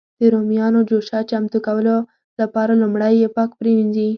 د رومیانو جوشه چمتو کولو لپاره لومړی یې پاک پرېمنځي.